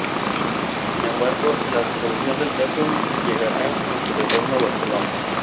Sin embargo la resolución del caso llegará con su retorno a Barcelona.